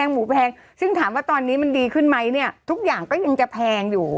หมูแพงซึ่งถามว่าตอนนี้มันดีขึ้นไหมเนี่ยทุกอย่างก็ยังจะแพงอยู่